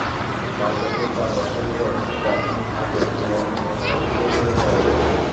কাল দুপুরে তাঁর বাসায় গিয়ে অবশ্য আগের দিনের মনজুরকে খুঁজে পাওয়া যায়নি।